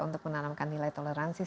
untuk menanamkan nilai toleransi